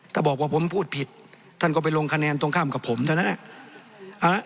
ถ้าบอกว่าผมพูดผิดท่านก็ไปลงคะแนนตรงข้ามกับผมเท่านั้น